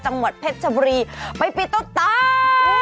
จังหวัดเพชรชบุรีไปปิดต้นตา